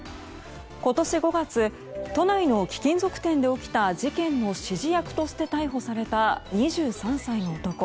今年５月都内の貴金属店で起きた事件の指示役として逮捕された２３歳の男。